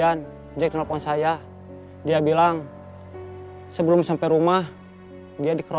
apa yang terjadi